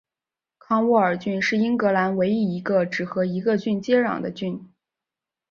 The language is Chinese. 康沃尔郡是英格兰唯一一个只和一个郡接壤的郡。